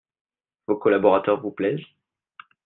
Vos collaborateurs vous plaisent ?